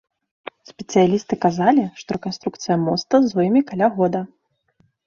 Спецыялісты казалі, што рэканструкцыя моста зойме каля года.